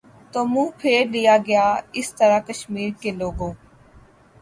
تو منہ پھیر لیا گیا اس طرح کشمیر کے لوگوں